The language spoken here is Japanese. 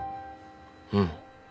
うん。